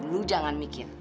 lu jangan mikir